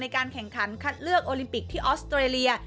การแข่งขันคัดเลือกโอลิมปิกที่ออสเตรเลีย